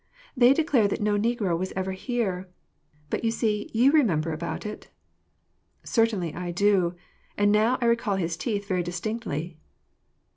" They declare that no negro was ever here. But you see you remember about it !" "Certainly I do ! And now I recall his teeth very distinctly."